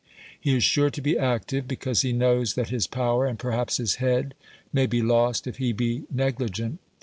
He is sure to be active, because he knows that his power, and perhaps his head, may be lost if he be negligent.